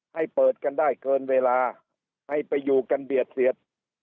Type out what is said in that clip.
ให้เปิดกันได้เกินเวลาให้ไปอยู่กันเบียดเสียด